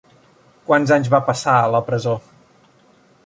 Quants anys va passar a la presó?